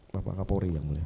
bapak kapolri yang mulia